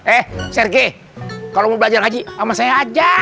eh sergei kalo mau belajar ngaji sama saya aja